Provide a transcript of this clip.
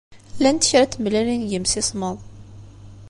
Llant kra n tmellalin deg yimsismeḍ.